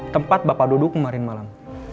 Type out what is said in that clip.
tempat bapak duduk kemarin malam